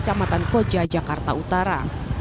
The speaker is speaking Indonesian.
kecamatan koja jakarta utara